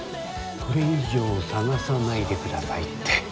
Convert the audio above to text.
これ以上探さないでくださいって。